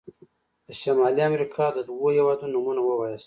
د شمالي امريکا د دوه هيوادونو نومونه ووایاست.